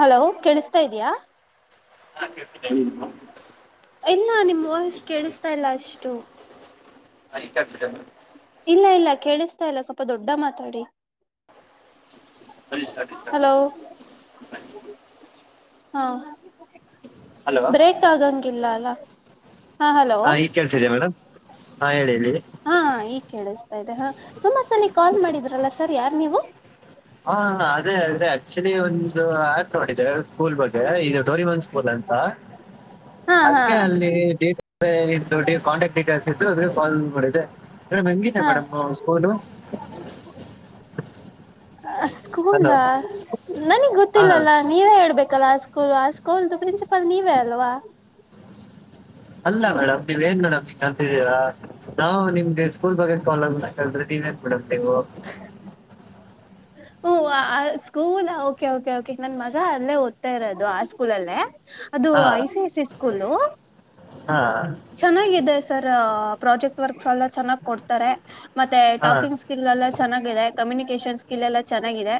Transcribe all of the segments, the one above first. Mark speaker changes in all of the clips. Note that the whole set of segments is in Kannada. Speaker 1: ಹಲೋ ಕೇಳಸ್ ತ ಇದಯಾ. ಇಲ್ಲ ನಿಮ್ಮ ವಾಯಸ್ಸ್ ಕೇಳಿಸ್ತಾ ಇಲ್ಲ ಅಷ್ಟು
Speaker 2: ಹ ಈಗ ಕಳ್ಸ್ ತಿದೆ [unintelligible]
Speaker 1: ಇಲ್ಲ ಇಲ್ಲ ಕೇಳಿಸ್ತಾ ಇಲ್ಲ ಸ್ವಲ್ಪ ದೊಡ್ಡ ಮಾತಾಡಿ
Speaker 2: ಅರಿ ಸರಿ ಸ
Speaker 1: ಹಲೋ
Speaker 2: [unintelligible]
Speaker 1: ಹಾ
Speaker 2: ಹಲೋ
Speaker 1: ಬ್ರೇಕ್ ಆಗಂಗಿಲ್ಲ ಅಲ್ಲ ಲ್ಲ
Speaker 2: ಹಾ ಈಗ್ ಕೆಳ್ಸಿದೆ ಮೇಡಮ್ ಹಾ ಹೇಳಿ ಳೀ
Speaker 1: ಹಾ ಈಗ ಕೇಳಿಸ್ತಾ ಇದೆ ಹಾ ಸುಮಾರ ಸಲ ಕಾಲ್ ಮಾಡಿದ್ರಲ್ಲ ಸರ್ ಯಾರ್ ನೀವು
Speaker 2: ಹಾ ಅದೇ ಅದೆ ಆಕ್ಚುಲಿ ಒಂದು ಆಟವಾಡಿದೆ ಸ್ಕೂಲ್ ಬಗ್ಗೆ ಇದು ಡೋರಿಮನ್ ಸ್ಕೂಲ್ ಅಂತ,
Speaker 1: ಹಾ ಹಾ
Speaker 2: ಅದಕ್ಕೆ ಅಲ್ಲಿ ಡೇಟ್ ಇ ಕಾಂಟ್ಯಾಕ್ಟ್ ಡೀಟೇಲ್ಸ್ ಎದ್ದು ಅದ್ಕೆ ಕಾಲ್ಲ್ ಮಾಡಿದೆ ಮೇಡಂ ಹೆಂಗಿದೆ ಆ
Speaker 1: ಹಾ
Speaker 2: ಮೇಡಮ್ ಸ್ಕೋಲು
Speaker 1: ಆ ಸ್ಕೂಲ ನನಿಗ್
Speaker 2: ಹಾಂ
Speaker 1: ಗೊತ್ತಿಲ್ಲಲ್ಲಾ ನೀವೇ ಹೇಳ್ಬೇಕು ಕಲಾ ಸ್ಕೂಲ್ ಆ ಸ್ಕೂಲ್ದು ಪ್ರಿನ್ಸಿಪಾಲ್ ನೀವೇ ಅಲ್ವಾ
Speaker 2: ಅಲ್ಲ ಮೇಡಮ್ ನೀವ್ ಏನ್ ಮೇಡಮ್ ಹಿಂಗ ಅಂತಿದ್ದೀರಾ ನಾವು ನಿಮ್ಗೆ ಸ್ಕೂಲ್ ಬಗ್ಗೆ ಕಲಂತ ಕೇಳ್ರಿ ನೀವೇ [unintelligible] ನೀವೂ [unintelligible]
Speaker 1: ಹು ವ ಆ ಸ್ಕೂಲ್ ಓಕೆ ಕೆ ಕೆ ನನ್ ಮಗ ಅಲ್ಲೇ ಓದ್ತಾ ಇರೋದು ಆ ಸ್ಕೂಲಲ್ಲೇ ಅದು
Speaker 2: ಹಾಂ
Speaker 1: I C I C school
Speaker 2: ಹಾಂ
Speaker 1: ಚೆನ್ನಾಗಿದೆ ಸರ್ ಆ ಆ ಪ್ರಾಜೆಕ್ಟ್ ವರ್ಕ್ಸ್ ಎಲ್ಲ ಚೆನ್ನಾಗ್ ಕೊಡ್ತಾರೆ ಮತ್ತೆ
Speaker 2: ಹಾಂ
Speaker 1: ಟಾಕಿಂಗ್ ಸ್ಕಿಲ್ ಎಲ್ಲ ಚನ್ನಾಗೈತೆ ಕಮ್ಯುನಿಕೇಶನ್ ಸ್ಕಿಲ್ ಎಲ್ಲ ಚೆನ್ನಾಗಿದೆ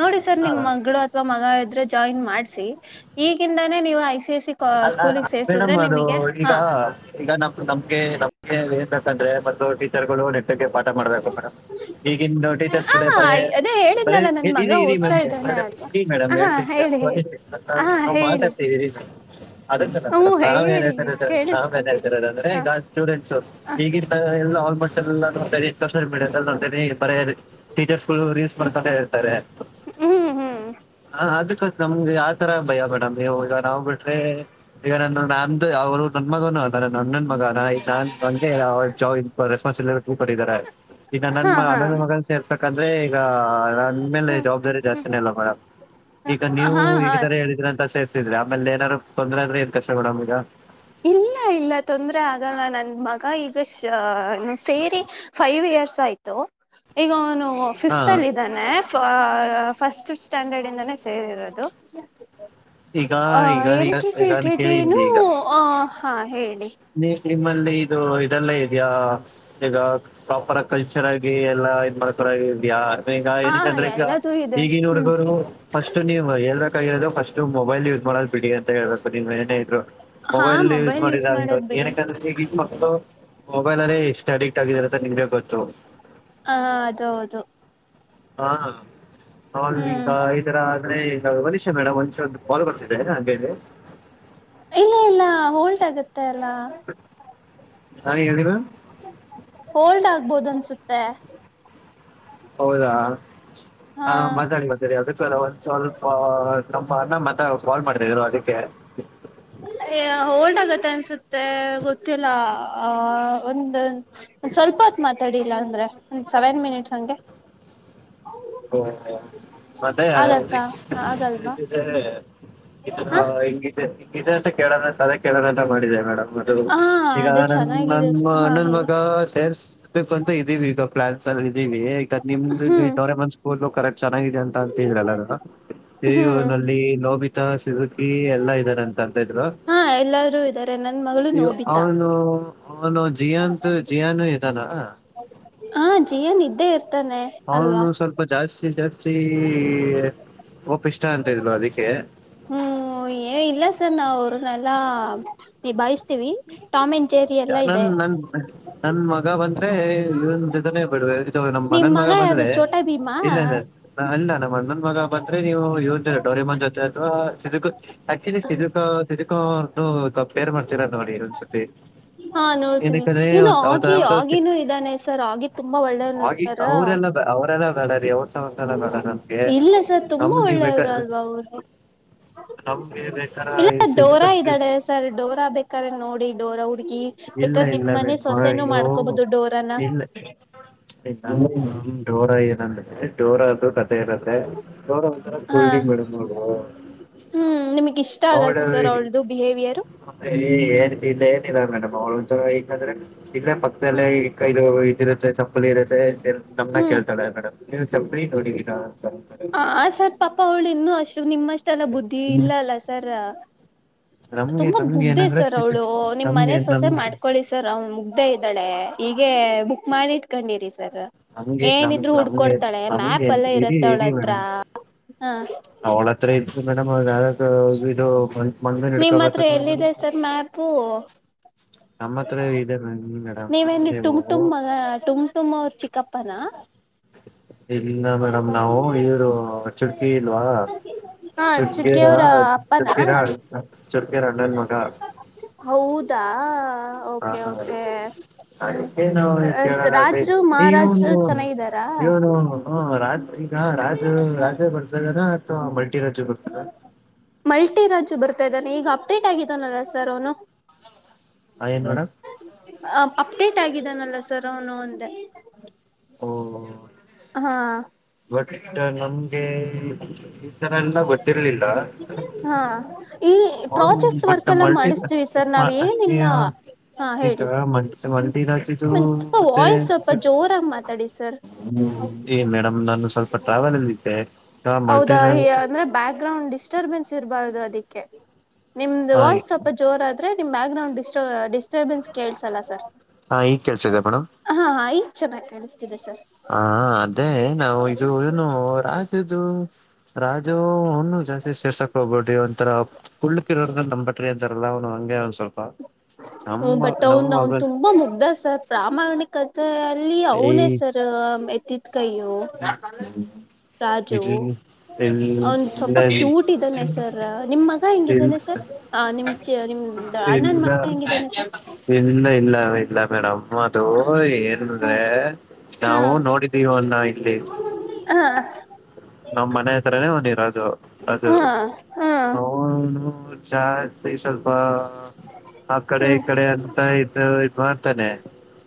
Speaker 1: ನೋಡಿ ಸರ್ ನಿಮ್
Speaker 2: ಹಾಂ
Speaker 1: ಮಗಳು ಅಥವಾ ಮಗ ಇದ. ರೆ ಜಾಯನ್ ಮಾಡ್ಸಿ. ಈಗಿಂದಾನೇ ನೀವು ಐ ಸಿ ಸಿ ಸ್ಕೋ
Speaker 2: ಅಲ್ಲ
Speaker 1: ಸ್ಕೂಲೀಗ್ ಸೇರ್ಸಿದ್ರೆ
Speaker 2: ಮೇಡಮ್ ಅದು
Speaker 1: ನಿಮಗೆ.
Speaker 2: ಈಗ
Speaker 1: ಹಾ
Speaker 2: ಈಗ ನಮ್ಮ ನಮ್ಗೆ ನಮ್ಗೆ. ಏತಕಂದ್ರೆ ಮತ್ತು ಟೀಚರ್ಗಳು ನೆಟ್ಟಕ್ಕೆ. ಪಾಠ ಮಾಡ್ಬೇಕು ಮೇಡಮ್. ಈಗಿಂದು ಟೀಚರ್ಸ್
Speaker 1: ಹ
Speaker 2: ಟಡೇ ಬರೆ
Speaker 1: ಅದೇ
Speaker 2: ಬರೆ
Speaker 1: ಹೇಳಿದ್ನಲ್ಲ ನನ್
Speaker 2: ಇರಿ
Speaker 1: ಮಗ
Speaker 2: ಇರಿ
Speaker 1: ಓದ್ತಾ
Speaker 2: ಮೇಡಂ
Speaker 1: ಇದ್ದಾನೆ ಅಲ್ವಾ
Speaker 2: ಇರಿ ಮೇಡಂ
Speaker 1: ಹಾ ಹೇಳಿ ಹೇಳಿ
Speaker 2: ಹೇಳ್ತೀನಿ
Speaker 1: ಹಾ
Speaker 2: ನಾವು
Speaker 1: ಹೇಳಿ
Speaker 2: ಮಾತಡ್ತೀವಿ ಇರಿ. ಅದಕ್ಕಲ್ಲ
Speaker 1: ಹ್ಮ
Speaker 2: ಮೇಡಮ್ ನಾವ್ ಏನ್
Speaker 1: ಹೇಳಿ
Speaker 2: ಹೇತರ ನಾವ್ ಏನ್
Speaker 1: ಕೇಳಿಸ್ಕೊತೀನಿ
Speaker 2: ಹೇಳ್ತರೋದ ಅಂದ್ರೆ
Speaker 1: ಹಾ
Speaker 2: ಈಗ ಸ್ಟೂಡೆಂಟ್ಸು ಈಗಿಂದ್ ಇಲ್ಲ ಆಲ್ಮೋಸ್ಟ್ ಎಲ್ಲ ನೋಡ್ತೇನೆ. ಸೋಶಿಯಲ್ ಮೀಡಿಯಾದಲ್ಲಿ ನೋಡ್ತೇನೆ ಬರೀ ಟೀಚರ್ಸ್. ರೀಲ್ಸ್
Speaker 1: ಹ್ಮ್
Speaker 2: ಮಾಡ್ತಾನೆ ಇರ್ತಾರೆ.
Speaker 1: ಹ್ಮ್ ಹ್ಮ್
Speaker 2: ಹ ಅದಕ್ಕ. ನಮ್ಗೆ ಆತರ ಭಯ ಮೇಡಂ ನೀವು ಈಗ್ ನಾವ್ ಬಿ. ಗೆ ಈಗ ನಂದು ನ್ದ ಅವರು ನನ್ನ ಮಗನು ಅದಾನೆ ನನ್ನನ. ಮಗ ನಾ [unintelligible] [unintelligible] ಪಡಿದ್ದಾರೆ. ಈಗ
Speaker 1: ಹಾ
Speaker 2: ನನ್ನ
Speaker 1: ಹಾ
Speaker 2: ನನ್ನ ಮಗನ್ ಸೇರ್ತ. ಅಂದ್ರೆ. ಈಗ ನನ್ ಮೇಲೆ
Speaker 1: ಹ್ಮ್
Speaker 2: ಜವಾಬ್ದಾರಿ
Speaker 1: ಹ್ಮ್
Speaker 2: ಜಾಸ್ತಿನೇ ಅಲ್ವಾ ಮೇಡಮ್? ಈಗ ನೀವು
Speaker 1: ಹಾ ಹಾ
Speaker 2: ಈಗ ತರ ಹೇಳಿದ್ರ ಅಂತ ಸೆರ್ಸ್. ಅಮ್ಮೆಲ್ ಏನಾರ. ತೊಂದ್ರೆ ಆದ್ರೆ ಏನ್ ಕಷ್ಟ ಮೇಡಂ ಈಗ.
Speaker 1: ಇಲ್ಲ ಇಲ್ಲ ತೊಂದ್ರೆ ಆಗಲ್ಲ. ನಂದ ಮಗ ಈಗ ಶ್ ಅ ಸೇರಿ ಫೈವ್ ಇಯರ್ಸ್ ಆಯ್ತು ಈಗ ಅವನು.
Speaker 2: ಹಾ
Speaker 1: ಫಿಫ್ತ್ ಅಲ್ಲಿ ಇದಾನೆ. ಫ ಅ ಫಸ್ಟ್ ಸ್ಟ್ಯಾಂಡರ್ಡ್ ಇಂದನೇ ಸೇರಿರೋದು.
Speaker 2: ಈಗ
Speaker 1: ಆ
Speaker 2: ಈಗ ಈಗ ಈಗಾನ ಕೇಳಿ ಈಗ.
Speaker 1: ಹ ಹಾ ಹೇಳಿ.
Speaker 2: ನೀ ಎಸ್ಟ್ ನಿಮ್ಮಲ್ಲಿ ಇದು ಇದೆಲ್ಲ ಇದ್ಯಾಈಗ ಪ್ರಾಪರ್ ಕಲ್ಚರ್ ಆಗಿ ಎಲ್ಲಾ ಇದ್ ಮಾಡ್ಕೊಳಕ್ ಇದ್ಯಾ? ಈಗ
Speaker 1: ಹಾ
Speaker 2: ಏನಕಂದ್ರೆ ಈಗ
Speaker 1: ಎಲ್ಲದೂ ಇದೆ
Speaker 2: ಈಗಿನ
Speaker 1: ಹ್ಮ್
Speaker 2: ಹುಡುಗುರ್ಗು ಫಸ್ಟ್ ನೀವ್ ಹೇಳ್ಬೇಕಾಗಿರೋದು ಫಸ್ಟ್ ಮೊಬೈಲ್ ಯೂಸ್ ಮಾಡದು ಬಿಡಿ ಅಂತ ಹೇಳ್ಬೇಕು. ನೀವ್ ಏನ ಇದ್ರು
Speaker 1: ಹಾ
Speaker 2: ಮೊಬೈಲ್ ಯೂಸ್ ಮಾಡಿ.
Speaker 1: ಮಾಡೋದ್ ಬಿಡಿ
Speaker 2: ಏನಕಂದ್ರೆ ಈಗ ಈಗ ಮಕ್ಕಳು ಮೊಬೈಲ್ ಅಲ್ಲಿ ಎಷ್ಟು ಅಡಿಕ್ಟ್ ಆಗಿದ್ದಾರೆ. ನಿಮಗೆ ಗೊತ್ತು.
Speaker 1: ಹ ಅದ ಹೌದು.
Speaker 2: ಹಾ. [unintelligible]
Speaker 1: ಹ್ಮ್
Speaker 2: ಮ ಈಗ ವನಷ ಮೇಡಮ್ ಒನ್ ನಿಮಿಷ ಒಂದ್ ಕಾಲ್ ಬರ್ತಿದೆ ಹಂಗೆ ಇರ್ರಿ.
Speaker 1: ಹೋಲ್ಟ್ ಆಗುತ್ತೆ. ತಲ.
Speaker 2: ಹಾ ಹೇಳರಾ.
Speaker 1: ಹೋಲ್ಡ್ ಆಗ್ಬೋದ ಅನ್ಸುತ್ತೆ.
Speaker 2: ಹೌದಾ. ಹ
Speaker 1: ಹಾ
Speaker 2: ಮತ್ತಾಗ ಮತರಿ ಅದಕ್ಕಲ್ಲ ಒಂದ್ ಸ್ವಲ್ಪ ನಮಣ್ಣಮತ. ಕಾಲ್ ಮಾಡ್ತಿದ್ರು ಅದಕ್ಕೆ.
Speaker 1: ಮತ್ತ ಅನ್ಸುತ್ತೆ ಗೊತ್ತಿಲ್ಲ ಆ ಒಂದ [unintelligible] ಸ್ವಲ್ಪತ್ ಮಾತಾಡಿ [unintelligible] ಇಲ್ಲ ಅಂದ್ರೆ ಒ ಸೆವೆನ್ ಮಿನಿಟ್ಸ್ ಹಂಗೆ [unintelligible]
Speaker 2: ಓಹೋ ಮತ್ತೆ [unintelligible]
Speaker 1: ಆಗತ್ತಾ ಆಗಲ್ವಾ
Speaker 2: ಹ ಇದೇ ಅಂತ ಕೇಳಿದ್ರೆ ತಲೆ ಕೆಡ್ತು [unintelligible] ಮಾಡಿದೆ [unintelligible] ಮೇಡ್ಮ ಅದು
Speaker 1: ಹ
Speaker 2: ಈಗ
Speaker 1: ಅದೇ
Speaker 2: ನ
Speaker 1: ಚೆನ್ನಾಗಿದೆ
Speaker 2: ನನ್
Speaker 1: ಹಾ
Speaker 2: ಅಣ್ಣನ್
Speaker 1: ಹೇಳಿ
Speaker 2: ಮಗ ಸೇರ್ಸ್ ಬೇಕು ಅಂತ ಇದೀವಿ ಈಗ ಪ್ಲಾನ್ [unintelligible] ಇದೀವಿ ಈಗ
Speaker 1: ಹ್ಮ್
Speaker 2: ನಿಮ್ದವರೆ ಮನ್ಸ [inaudible] ಫೋಟ ಕರೆಕ್ಟ್ ಚೆನ್ನಾಗಿದೆ ಅಂತ ಅಂತಿದ್ರು
Speaker 1: ಹ್ಮ್
Speaker 2: ಎಲ್ಲಾರೂನು ನೋಬಿತಾ ಸಿಜುಕಿ ಎಲ್ಲಾ ಇದ್ದಾರೆ ಅಂತ ಅಂತಿದ್ರು
Speaker 1: ಹಾ ಎಲ್ಲಾರೂ ಇದ್ದಾರೆ ನನ್ ಮಗಳು ನೋಬಿತಾ
Speaker 2: ಅವನು [unintelligible] ಅವನು ಜಿಯಾಂತು ಜಿಯಾನ್ [unintelligible] ಾನ [inaudible] [inaudible]
Speaker 1: ಹಾ ಜಿಯನ್ ಇದ್ದೇರ್ [unintelligible]
Speaker 2: ಅವನು ಸ್ವಲ್ಪ ಜಾಸ್ತಿ [unintelligible] ಜಾಸ್ತಿ ಕೊಪಿಷ್ಟ ಅಂತ ಇದ್ರು ಅದಕ್ಕೆ [unintelligible]
Speaker 1: ಹ ಏ ಇಲ್ಲ ಸರ್ ನಾವು ಅವ್ರನ್ನಲ್ಲ ನಿಭಾಯಿಸತೀವಿ ಟಾಮೆ [unintelligible]
Speaker 2: ನನ್ ನನ್ ನನ್ ನನ್ ಮಗ ಬಂದ [unintelligible] ಐ ಇವ್ನ್ ಜೊತೆನೆ ಬಿಡ್ಬೇಕ್ [unintelligible] ಇ ನಮ್ಮ್
Speaker 1: ನಿಮ್
Speaker 2: ಅಣ್ಣನ್ ಮಗ
Speaker 1: ಯಾರು
Speaker 2: ಬಂದ್ರೆ
Speaker 1: ಚೋಟ ಭೀಮಾ
Speaker 2: ಇಲ್ಲ ಇಲ್ಲ ಇಲ್ಲ ಅಲ್ಲ ನಮ್ಮ ಅಣ್ಣನ್ ಮಗ ಬಂದ್ರೆ ನೀವು ಇವನ್ ಜೊತೆ ಡೋರೇಮನ್ ಜೊತೆ ಅಥವಾ [unintelligible] ಸಿಜುಕು [unintelligible] ಆಕ್ಚುಲಿ ಸಿಜುಕ [unintelligible] ಸಿಜುಕು ಅಂತೂ ಕಂಪೇರ್ ಮಾಡ್ತೀರ ನೋಡಿ ಒಂದ್ಸತಿ [unintelligible]
Speaker 1: ಹಾ ನೋಡ್ತೀವಿ
Speaker 2: ಏನಕ್ಕಂದ್ರೆ
Speaker 1: ಇದು
Speaker 2: ಒಂದ್ ಅವ್ರ್ದು
Speaker 1: ಆಗಿ
Speaker 2: ಯಾವ್ದೋ
Speaker 1: ಆಗಿನೂ ಇದಾನೆ ಸರ್ ಆಗಿ ತುಂಬಾ ಒಳ್ಳೇನು ಸರ್ [unintelligible]
Speaker 2: ಹ ಅವ [inaudible]
Speaker 1: ಇಲ್ಲ ಸರ್ ತುಂಬಾ
Speaker 2: ನಮ್ಗೆ
Speaker 1: ಒಳ್ಳೆವರು
Speaker 2: ಬೇಕಾರ
Speaker 1: ಅಲ್ವಾ ಅವ್ರು
Speaker 2: ನಮ್ಗೆ ಬೇಕಾರ
Speaker 1: ಇಲ್ಲ
Speaker 2: ಈ
Speaker 1: ಡೋರಾ
Speaker 2: ಸಿದ್ಬತ್
Speaker 1: ಇದ್ದಾಳೆ ಸರ್ ಡೋರಾ ಬೇಕ್ರೆ ನೋಡಿ ಡೋರ [unintelligible]
Speaker 2: ಇಲ್ಲ ಇಲ್ಲ ಬೇೋ
Speaker 1: ಮಾಡ್ಕೋಬಹುದು ಡೋರಾನ
Speaker 2: ಇಲ್ಲೋರ ನಂದ [inaudible] ಡೋರಾ [inaudible] ಇತ್ತೆೋ
Speaker 1: ಹಾ
Speaker 2: ಮೇಡಮ ನೋ
Speaker 1: ಹ್ಮ್ ನಿಮಗ್ ಇಷ್ಟ ಆಗಲ್ವಾ ಸರ್ ಅವಳ್ದು ಬಿಹೇವಿಯರ್
Speaker 2: ಏನ್ ಇ [inaudible] ಇದ ಮೇಡಮ್ ಅವಳ್ದು ಏಕೆಂದ್ರೆ [unintelligible] ಇಲ್ಲೇ ಮತ್ತ ಎಲ್ಲ
Speaker 1: ಹ್ಮ್
Speaker 2: ಕೈದು [inaudible] ಇರುತ್ತೆ ಚಪ್ಪಲಿ ಇರುತ್ತೆ [unintelligible] ಮ ನಮ್
Speaker 1: ಹ್ಮ್
Speaker 2: ಕೇಳ್ತಾಳೆ ಮೇಡಮ್ [unintelligible] ನೀವು ಚಪ್ಲಿ ನೋಡಿದ್ಧಿರಾ [unintelligible]
Speaker 1: ಆ ಸರ್ ಪಾಪ ಅವಳ ಇನ್ನು ಅಷ್ಟ್ ನಿಮ್ಮಷ್ಟ. ನ ಬುದ್ಧಿ
Speaker 2: ಹ್ಮ್.
Speaker 1: ಇಲ್ಲ ಅಲ್ಲ ಸರ್. [inaudible]
Speaker 2: ನಮ್ಗೆ
Speaker 1: ತುಂಬಾ
Speaker 2: ನಮ್ಗೆ
Speaker 1: ಮುಗ್ದೇ
Speaker 2: ಏನಂದ್ರೆ
Speaker 1: ಸರ್ ಅವ್ಳು ನಿಮ್ ಮನೆ
Speaker 2: ನಮ್ಗೆ
Speaker 1: ಸೊಸೆ
Speaker 2: ನಮ್ಗೆ
Speaker 1: ಮಾಡ್ಕೊೊಳ್ಳಿ ಸರ್ ಅವನು ಮುಗ್ದೇ ಇದ್ದಾಳೆ. ಈೀಗೆ ಬುಕ್ ಮಾಡಿಟ್ಕೊಂಡಿರಿ.
Speaker 2: ನಮ್ಗೆ ನಮ್
Speaker 1: ಏನಿದ್ರು ಹುಡ್ಕೊಡ್ತಾಳೆ ಮ್ಯಾಪ್ ಎಲ್ಲ ಇರತ್ತ.
Speaker 2: ಅವ ಹ ದಾರ ವಿ.
Speaker 1: ನಿಮ್ಮ ಹತ್ರ ಎಲ್ಲಿದೆ ಸರ್ ಮ್ಯಾಪು
Speaker 2: ನಮ್ಮ ಹತ್ರ ಇದೆ ಮೇಡಮ್
Speaker 1: ನೀವೇನ್
Speaker 2: ನೀವು
Speaker 1: ಟುಮಟುಮ್ ಮಗ ಟುಮಟುಮ್ ಅವರು ಚಿಕ್ಕಪ್ಪನ.
Speaker 2: ಇಲ್ಲ ಮೇಡಮ್ ನಾವು ಇವರು ಚುರ್ಕಿ ಇಲ್ವಾ
Speaker 1: ಹಾ ಚುಟ್ಕಿ
Speaker 2: ಚುರ್ಕೇರ
Speaker 1: ಅವ್ರ ಅಪ್ಪನಾ
Speaker 2: ಚುರ್ಕಿರ್ಣ ಚುರ್ಕೇರ ಅಣ್ಣನ್ ಮಗ.
Speaker 1: ಹೌದಾ ಓಕೆ ಓಕೆ
Speaker 2: ಹಾ
Speaker 1: ಹ್ಮ್
Speaker 2: ಏನು ಕೇಳೆ
Speaker 1: ರಾಜ್ರು
Speaker 2: ಇವನು
Speaker 1: ಮಹಾರಾಜ್ರು ಚೆನ್ನಾಗಿದ್ದಾರಾ
Speaker 2: ಇವನು ರಾಜ ಈಗ ರಾಜು ರಾಜೇ ಬರ್ಸಾಗ ಆ ಹ.
Speaker 1: ಮಲ್ಟಿರ. ು ಬರ್ತಾ ಇದ್ದಾನೆ ಈಗ ಅಪ್ಡೇಟ್ ಆಗಿದ್ದಾನಲ್ಲ ಸರ್ ಅವನು
Speaker 2: ಹಾ ಏನ್ ಮಾಡೋಡ.
Speaker 1: ಅಪ್ಡೇಟ್ ಆಗಿದ್ದಾನಲ್ಲ ಸರ್ ಅವನು ಒಂದೆ.
Speaker 2: ಓ
Speaker 1: ಹಾ.
Speaker 2: ಬಟ್ ನಮ್ಗೆ. ನ ಎಲ್ಲ ಗೊತ್ತಿರ್ಲಿಲ್ಲ
Speaker 1: ಹಾ ಈ
Speaker 2: ಹ
Speaker 1: ಪ್ರಾಜೆಕ್ಟ್
Speaker 2: ಬಟ್
Speaker 1: ವರ್ಕ್ ಎಲ್ಲ
Speaker 2: ಮಲ್ಟ
Speaker 1: ಮಾಡಿಸ್ತೀವಿ ಸರ್ ನಾವ್ ಏನಿಲ್ಲ ಹಾ
Speaker 2: ಈಗ
Speaker 1: ಹೇಳಿ
Speaker 2: ಮಲ್ಟ
Speaker 1: ಹ್ಮ್
Speaker 2: ರಾು
Speaker 1: ಸ್ವಲ್ಪ
Speaker 2: ಮತ್ತೆ
Speaker 1: ವಾಯ್ಸ್ ಸ್ವಲ್ಪ ಜೋರಾಗಿ ಮಾತಾಡಿ ಸರ್
Speaker 2: ಏ ಮೇಡಮ್ ನಾನು ಸ್ವಲ್ಪ ಟ್ರಾವೆಲ್ ಅಲ್ಲಿ. ಹ.
Speaker 1: ಹೌದಾ ಅಂದ್ರೆ ಬ್ಯಾಕ್ ಗ್ರೌಂಡ್ ಡಿಸ್ಟರ್ಬೆನ್ಸ್ ಇರಬಾರ್ದು ಅ. ದಕ್ಕೆ. ನಿಮ್ದ್ ವಾಯ್ಸ್ ಸ್ವಲ್ಪ ಜೋರ ಆದ್ರೆ ನಿಮ. ಬ್ಯಾಕ್ ಗ್ರೌಂಡ್ ಡಿಸ ಡಿಸ್ಟರ್ೆನ್ಸ್ ಕೇಳಸಲ್ಲ ಸರ್.
Speaker 2: ಹಾ ಈಗ್ ಕೇಳ್ಸಿದೆಪ್ಪಣ.
Speaker 1: ಹಾ ಈಗ ಚೆನ್ನಾಗಿ ಕಾಣಿಸಿಸಿ.
Speaker 2: ಹಾ ಅದೇ ನಾವು ಇದು ನು. ದು ರಾಜು ಅವ ಜಾಸ್ತಿ ಸೇರ್ಸಕ್ ಹೋಗ್ಬೇಡಿ ಒಂಥರ ಕುಳಕ್ರೋರ್ ನಮ್ ಬಟ್ರಿ ಅಂತಾರಲ್ಲ ಅವ್ನು ಹಂಗೆ ಒಂದ್ ಸ್ವಲ್ಪ.
Speaker 1: ಹ್ಮ
Speaker 2: ನಮ್ಮ
Speaker 1: ಬಟ್
Speaker 2: ನಮ್ಮ
Speaker 1: ಅವನ್ ಅವನ್
Speaker 2: ಮಗನ್
Speaker 1: ತುಂಬಾ ಮುಗ್ದ ಸರ್ ಪ್ರಾಮಾಣಿಕ. ಅಲ್ಲಿ ಅವನೇ ಸರ್ ಎತ್ತ.
Speaker 2: ಹಾ
Speaker 1: ರಾಜು ಅವನ್
Speaker 2: ಇಲ್ಲ
Speaker 1: ಸ್ವಲ್ಪ
Speaker 2: ಇಲ್
Speaker 1: ಕ್ಯೂಟ್ ಇದ್ದಾನೆ ಸರ್ ನಿಮ್ ಮಗ ಹೆಂಗಿದ್ದಾನೆ ಸರ್ ನಿಮ್ ಚ ನಿಮ ಅಣ್ಣನ
Speaker 2: ಇಲ್ಲ
Speaker 1: ಮಗ ಹೆಂಗಿದ್ದಾನೆ ಸರ್
Speaker 2: ಇಲ್ಲ ಇಲ್ಲ ಇಲ್ಲ ಮೇಡ್ ಅದು
Speaker 1: ಹ ಹಾ
Speaker 2: ಏನಂದ್ರೆ ನಾವು ನೋಡಿದ್ದೀವಿ ಅನ್ನ [inaudible] ಅವ್ನ
Speaker 1: ಹಾ [inaudible]
Speaker 2: ನಮ್ಮ್ ಮನೆ ಹತ್ರರನೇ ಹ ನೀಿರ ಅದು ಅದು
Speaker 1: ಹಾ ಹಾ
Speaker 2: ಚಾ ಸ ಸ ಆ ಕಡೆ ಈ
Speaker 1: ಹ್ಮ್
Speaker 2: ಕಡೆ ಅಂತ ಇದ ತಾನೆ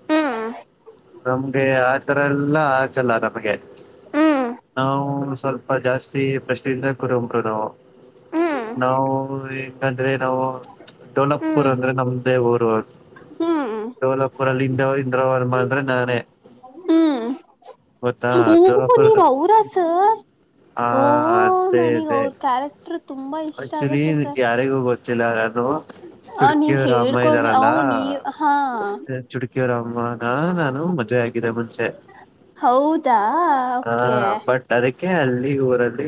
Speaker 1: ಹ್ಮ್
Speaker 2: ನಮ್ಗೆ ಆತರ ಎಲ್ಲಾ ಆಚಲ್ಲ ನಮ್ಗೆ
Speaker 1: ಹ್ಮ್
Speaker 2: ನಾವು ಸ್ವಲ್ಪ ಜಾಸ್ತಿ ಪ್ರಶ್ನೆ ಇನ್ನಕ್ಕರಂ ಕಡ
Speaker 1: ಹ್ಮ್
Speaker 2: ನಾವು ಕಂದ್ರೆ ನಾವು ಡೋಲಪುರ್
Speaker 1: ಹ್ಮ್
Speaker 2: ಅಂದ್ರೆ ನಮ್ ಅದೇ ಬ
Speaker 1: ಹ್ಮ್
Speaker 2: ಲಪುರಲ್ಲಿಂದಂದವರ್ ಅಾನೆ
Speaker 1: ಓಹ ನೀವ ಅವರ ಸರ್
Speaker 2: ಆ
Speaker 1: ಓ
Speaker 2: ಅದೇ
Speaker 1: ನನಗ್
Speaker 2: ಅದೇ
Speaker 1: ಅವ್ರ ಕ್ಯಾರೆಕ್ಟರ್ ತುಂಬಾ ಇಷ್ಟ ಆಗತ್ತೆ ಸರ್
Speaker 2: ಜನ
Speaker 1: ಅ ನೀವ್
Speaker 2: ಚುಟಕಿಯವರ ಅಮ್ಮ
Speaker 1: ಹೇಳ್ಕೊಂಡ್ ಅ
Speaker 2: ಇದ್ದಾರಲ್ಲಾ
Speaker 1: ನೀವ್ ಹಾ
Speaker 2: ಚುಟಕಿಯವರ ಅಮ್ಮನ ಮದ್ೆ ಆಗಿದೆ ಮುಂಚೆ
Speaker 1: ಹೌದಾ
Speaker 2: ಹ
Speaker 1: ಓಕೆ
Speaker 2: ಬಟ್ ಅದಕ್ಕೆ ಅಲ್ಲಿ ಅದ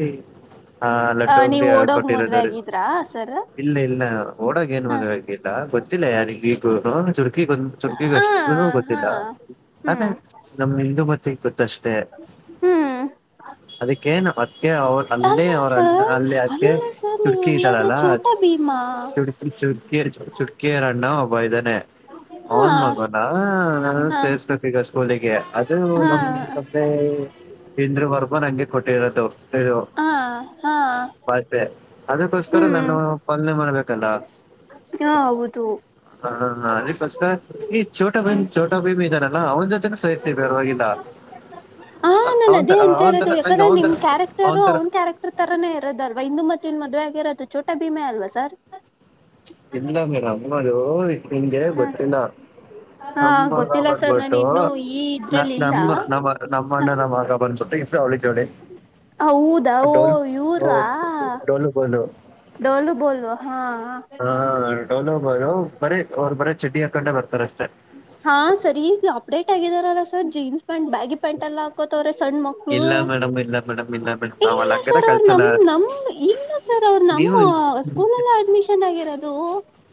Speaker 2: ಹಾ ಲಟ್ಟಂಗಿ
Speaker 1: ನೀವ್ ಓಡೋಗ್ ಮದ್ವೆ
Speaker 2: ಕೊಟ್ಟಿರೋದ್ರ
Speaker 1: ಆಗಿದ್ರಾ ಸರ್
Speaker 2: ಇಲ್ಲ ಇಲ್ಲ ಓಡಾಗ ಏನ್
Speaker 1: ಹ
Speaker 2: ಮಗಗಿಲ್ಲ ಗೊತ್ತಿಲ್ಲ ಯಾರಿಿಗೆ ಹಾ ಸರಿ ಚಕಿಗಂದು ಚುಕಿಿಗೆ
Speaker 1: ಹ
Speaker 2: ಅಷ್ಟು
Speaker 1: ಹಾ
Speaker 2: ಗೊತ್ತಿಲ್ಲ ಅದೇ
Speaker 1: ಹ್ಮ್
Speaker 2: ನಮ್ಮಿ ಇ ಮತ್ತೆ ಇಪ್ಪತ್ತು ಷ್ಟೇ
Speaker 1: ಹ್ಮ್
Speaker 2: ಅದಕ್ಕೇನು ಅದ್ಕ್ಕೆ ಅವ ಅಲ್ಲಿ
Speaker 1: ಅಲ್ಲ
Speaker 2: ಅವ್ರ ಅಣ್ಣ
Speaker 1: ಸರ್
Speaker 2: ಅಲ್ಲಿ ಅದಕ್ಕೆ
Speaker 1: ಅಲ್ಲ ಸರ್ ನೀವ್
Speaker 2: ಚುಟಕಿ
Speaker 1: ಹಂಗಾದ್ರೆ
Speaker 2: ಇದ್ದಾರಲ್ಲ ಅ
Speaker 1: ಚೋಟ ಭೀಮಾ
Speaker 2: ಚುಟಕಿ ಚುಟಕಿ ಚುಟಕಿಯರ ಅಣ್ಣ ಒಬ್ಬ ಇದ್ದಾನೆ
Speaker 1: ಹಾ
Speaker 2: ಅವನ ಮಗನ
Speaker 1: ಹಾ
Speaker 2: ಗ ಸ್ಕೂಲಿಗೆ ಅದು
Speaker 1: ಹಾ
Speaker 2: ನಮ ಸ್ದೆ ಇಿಂದ್ರ ಹೊರ್ಬನ್ ಹಂಗಗೆ ಕೊಟ್ಟಿ ಇರದು ಇದು
Speaker 1: ಹಾ ಹಾ
Speaker 2: ಬೆ ಅದಕ್ಕೋಸ್ಕರ
Speaker 1: ಹ್ಮ್
Speaker 2: ನಾನು ಪಂದನೆ ಮಾಡಿದ್ದೆ
Speaker 1: ಹಾ ಹೌದು
Speaker 2: ಹಾ ಫಸ್ಟ್ ಈ ಚೋಟ ಭೀಮ ಚೋಟ ಭೀಮ ಇದೆ [unintelligible]
Speaker 1: ಹಾ
Speaker 2: ಅ-
Speaker 1: ನನ್
Speaker 2: ಅವನ್
Speaker 1: ಅದೇ
Speaker 2: ತ-
Speaker 1: ಎಂತ
Speaker 2: ಅವನ್
Speaker 1: ಇರೋದು
Speaker 2: ತರ ನಂಗೆ
Speaker 1: ಯಾಕಂದ್ರೆ
Speaker 2: ಅವನ್
Speaker 1: ನಿಮ್
Speaker 2: ತರ
Speaker 1: ಕ್ಯಾರೆಕ್ಟರು ಅವನ್ ಕ್ಯಾರೆಕ್ಟರ್ ತರಾನೇ ಇರೋದಲ್ವಾ ಇಂದು ಮತ್ತನ್ ಮದುವೇ ಹದ್ದು ಚೋಟಾ ಭೀಮ ಅಲ್ವಾ ಸರ್
Speaker 2: ಇಲ್ಲ ಮೇಡಂ ಹೋ ನಿಂಗೆ
Speaker 1: ಹ
Speaker 2: ಗೊತ್ತಿಲ್ಲ
Speaker 1: ಹಾ
Speaker 2: ನಮ್ಮ ಮಗ
Speaker 1: ಗೊತ್ತಿಲ್ಲ ಸರ್ ನಾನು
Speaker 2: ಬಂದ್ಬಿಟ್ಟು
Speaker 1: ಇನ್ನು ಈ
Speaker 2: ನ
Speaker 1: ಇದ್ರಲ್ಲಿ ಇಲ್ಲ
Speaker 2: ನಮ್ಮ ನಮ್ಮ ನಮ್ಮ ಅಣ್ಣ ನಮ್ಮ ಮಗ ಬಂದ್ಬಿಟ್ಟು ಅವಳಿ ಜವಳಿ
Speaker 1: ಹೌದಾ ಓ ಇವರ್ರಾ
Speaker 2: ಡೋಲು ಬೋಲು
Speaker 1: ಡೋಲು ಬೋಲ್ ಹಾ
Speaker 2: ಹಾ ಡೋಲು ಬರೀ ಅವ್ರು ಬರೀ ಚಡ್ಡಿ ಹಾಕೊಂಡೆ ಬರ್ತಾರೆ
Speaker 1: ಹಾ ಸರಿ ಅಪಡೆಟ್ ತಗಿದಾರಲ್ಲ ಸರ್ ಜೀನ್ಸ್ [unintelligible] ಬ್ಯಾಗಿ ಪ್ಯಾಂಟ್ ಇಲ್ಲ ಹಾಕೋತವ್ರೆ ಸಣ್ಣ ಮಕ್ಕಳು
Speaker 2: ಇಲ್ಲ ಮೇಡಮ್ ಇಲ್ಲ ಮೇಡಮ್ ಇಲ್ಲ ಮೇಡಮ್ ನಾವ್ ಅಲ್ಲಿ
Speaker 1: ಇಲ್ಲ
Speaker 2: ಹಂಗಾರ
Speaker 1: ಸರ್ ಅವ
Speaker 2: ಕಳ್ಸಲ್ಲ
Speaker 1: ನಮ ಇಲ್ಲ ಸರ್ ಅವರು
Speaker 2: ನೀವು
Speaker 1: ನಮ್ಮ ಸ್ಕೂಲ ಅಡ್ಮಿಶನ್ ಆಗಿರದು ತು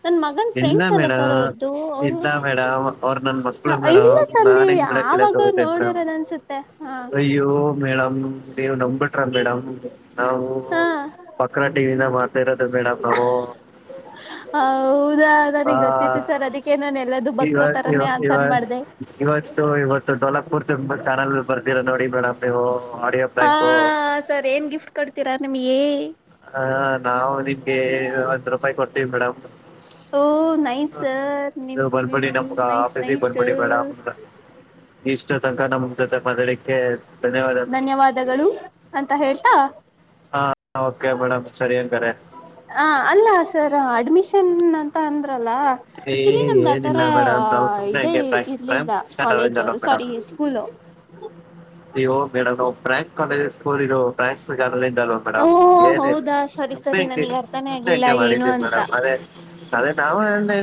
Speaker 1: ನನ್ ಮಗನ್ ಫ್ರೆಂಡ್ಸ್ ಅಲ್ಲ ಸರ್ ಅವ್ರದುು ಅವರು
Speaker 2: ಅವರು ನನ್ ಮಕ್ಕಳುಮೇಡಂ
Speaker 1: ಇಲ್ಲ ಸರ್
Speaker 2: ನಾನ
Speaker 1: ನೀವ್
Speaker 2: ಹೆಂಗ ಬಿಡಕ್ ಕಳಕ್
Speaker 1: ಯಾವಾಗ
Speaker 2: ಹೋಗತೇ ಮೇಡಂ
Speaker 1: ನೋಡಿರೋದ ಅನ್ಸುತ್ತೆ ಹಾ
Speaker 2: ಅಯ್ಯೋ ಮೇಡಂ ನೀವ್ ನಂಬಿ ಬಿಟ್ರ ಮೇಡಂ ನಾವು
Speaker 1: ಹಾ
Speaker 2: ಬಕ್ರ ಟಿವಿಇದ್ದೆ ಮಾಡ್ತ ಇರೋದು ಮೇಡಂ ನಾವು
Speaker 1: ಹೌದಾ ನನಗ್ ಗೊತ್ತಿತ್ತು ಸರ್
Speaker 2: ಆ
Speaker 1: ಅದಕ್ಕೆ ನಾನು ಎಲ್ಲದುೂ
Speaker 2: ಈಗ
Speaker 1: ಬಕ್ರ
Speaker 2: ಇವ
Speaker 1: ತರಾನೇ
Speaker 2: ಇವ
Speaker 1: ಆನ್ಸರ್ ಮಾಡಿದ್ದೆ
Speaker 2: ತುಂಬಾ ಚಾನಲ್ ಬರ್ತಿರಾ ನೋಡಿ ಬೇಡ ಮೇಡಂ
Speaker 1: ಹಾ ಸರಿ ಏನ್ ಗಿಫ್ಟ್ ಕೊಡ್ತೀರಾ ನಮ್ಮಗೆ ಹೇ
Speaker 2: ಹ ನಾವು ನಿ ಒಂದ್ ರೂಪಾಯಿ ಕೊಡ್ತೀವಿ ಮೇಡಂ
Speaker 1: ಓ ನೈ ಸರ್
Speaker 2: ನೀವು ಬಂದ್ಬಿಡಿ
Speaker 1: ನಿಮ್ಮದ್ದು
Speaker 2: ನಮ್ಗೆ
Speaker 1: ನೈ
Speaker 2: ಆಫೀಸಿಗೆ ಬಂದ್ಬಿಡಿ
Speaker 1: ಸರ್
Speaker 2: ಮೇಡಮ್ ಇಷ್ಟು ತನಕ ನಮ್ಮ ಜೊತೆ ಮತಕ್ಕೆ
Speaker 1: ಧನ್ಯವಾದಗಳು ಅಂತ ಹೇಳ್ತಾ
Speaker 2: ಹಾ ಓಕೆ ಮೇಡಮ್ ಸರಿ ಹಂಗಾರೆ
Speaker 1: ಹ ಅಲ್ಲ ಸರ್ ಅಡ್ಮಿಷನ್ ನ ಹ
Speaker 2: ಏ
Speaker 1: ಚಿನ್ನಿ ಆತರ
Speaker 2: ಏನಿಲ್ಲ ಮೇಡಮ್ ನಾವು ಸುಮ್ಮನೆ
Speaker 1: ಇದೇ
Speaker 2: ಹಂಗೆ ಪ್ರಾಂಕ್
Speaker 1: ಇರ್ಲಿಲ್ಲ
Speaker 2: ಪ್ರಾಂಕ್
Speaker 1: ಕಾಲೇಜ್
Speaker 2: ಅಲ್ಲ
Speaker 1: ಸಾರಿ ಸ್ಕೂಲ್
Speaker 2: ಇೋಗ ಮೇಡಮ್ ನವು ಪ್ರ್ಯಾಂಕ್ ಕಾಲೇಜ ಸ್ಕೂಲ್ ಇದು ಪ್ರ್ಯಾಂಕ್. ವಾ
Speaker 1: ಓ
Speaker 2: ಮೇಡ್
Speaker 1: ಹೌದಾ ಸರಿ ಸರಿ ನನಗ್ ಅರ್ಥಾನೇ
Speaker 2: ಏಮ್ಮೆ
Speaker 1: ಆಗ್ಲಿಲ್ಲ
Speaker 2: ಹಂ
Speaker 1: ಏನು
Speaker 2: ಮಾಡಿದ್ದೀವಿ
Speaker 1: ಅಂತ
Speaker 2: ಮೇಡಮ್ ಅದೇ ಅದೇ ನಾವ.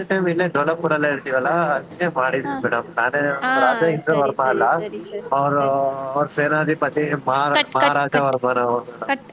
Speaker 2: ತ. ಲ ಕೂಡಲ್ಲ ಇೇಳ್ತೀವಲ್ಲಾ ನೀೇ
Speaker 1: ಹ
Speaker 2: ಮಾಡಿದ್ವಿ ಮೇಡಮ್ ನಾನೇ
Speaker 1: ಹಾ
Speaker 2: ರಾಜ ಇಂದ್ರ
Speaker 1: ಸರಿ
Speaker 2: ವರ್ಮ
Speaker 1: ಸರಿ
Speaker 2: ಅಲ್ಲ
Speaker 1: ಸರಿ ಸರಿ
Speaker 2: ಅವರು.
Speaker 1: ಸರಿ
Speaker 2: ಅವ ಸೇನಾಧಿಪತಿ ಮ
Speaker 1: ಕಟ್ ಕಟ್
Speaker 2: ಮಹಾರಾಜಾ
Speaker 1: ಕಟ್
Speaker 2: ಅವರ ಬರ ಮೇಡ.
Speaker 1: ಕಟ್